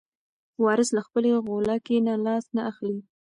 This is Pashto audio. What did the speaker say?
وارث له خپلې غولکې نه لاس نه اخلي.